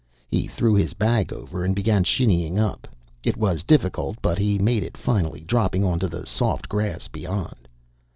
He threw his bag over and began shinnying up. It was difficult, but he made it finally, dropping onto the soft grass beyond.